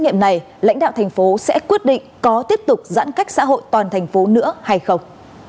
nghiệm này lãnh đạo thành phố sẽ quyết định có tiếp tục giãn cách xã hội toàn thành phố nữa hay không